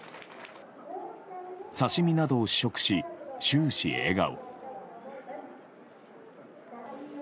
刺し身などを試食し終始笑顔。